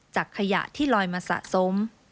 ขยะที่ลอยมาสะสม